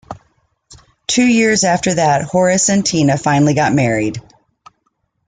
Two years after that Horace and Tina finally get married.